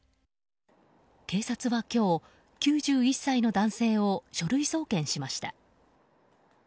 警察は今日、９１歳の男性を書類送検しました。